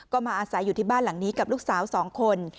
ก็มาอาศัยอยู่ที่บ้านหลังนี้กับลูกสาว๒คน